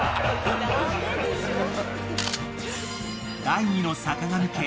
［第２の坂上家］